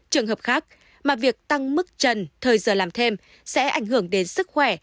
trường hợp khác mà việc tăng mức trần thời giờ làm thêm sẽ ảnh hưởng đến sức khỏe